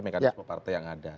mekanisme partai yang ada